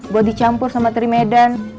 buat dicampur sama teri medan